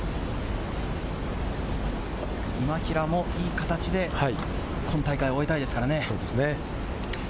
今平もいい形で今大会を終えたいですからね。